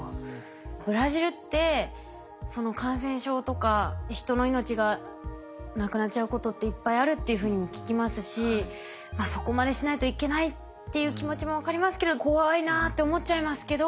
ブラジルってその感染症とか人の命がなくなっちゃうことっていっぱいあるっていうふうにも聞きますしそこまでしないといけないっていう気持ちも分かりますけど怖いなぁって思っちゃいますけど。